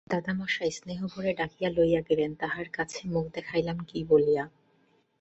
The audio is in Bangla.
দাদামহাশয় স্নেহভরে ডাকিয়া লইয়া গেলেন, তাঁহার কাছে মুখ দেখাইলাম কী বলিয়া?